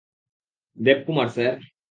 Debkumar, sir.